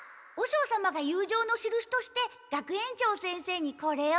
和尚様が友情のしるしとして学園長先生にこれを。